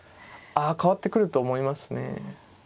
あ変わってくると思いますね。